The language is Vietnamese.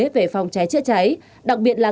về phòng cháy chữa cháy đặc biệt là